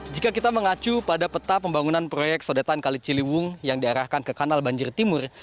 jika kita mengacu pada peta pembangunan proyek sodetan kali ciliwung yang diarahkan ke kanal banjir timur